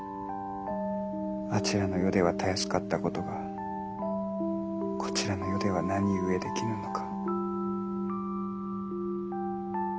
あちらの世ではたやすかったことがこちらの世では何故できぬのか。